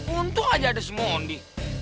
untung aja ada si mondi